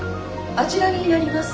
あちらになります。